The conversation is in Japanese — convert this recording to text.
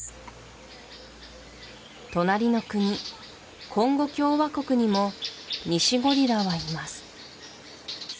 隣の国コンゴ共和国にもニシゴリラはいます